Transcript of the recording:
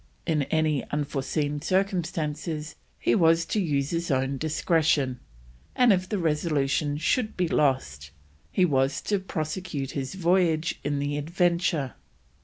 In any unforeseen circumstances he was to use his own discretion, and if the Resolution should be lost, he was to prosecute his voyage in the Adventure.